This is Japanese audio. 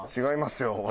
違いますよ